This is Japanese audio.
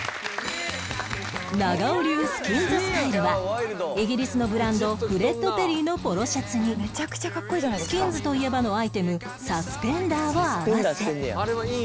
長尾流スキンズスタイルはイギリスのブランド ＦＲＥＤＰＥＲＲＹ のポロシャツにスキンズといえばのアイテムサスペンダーを合わせ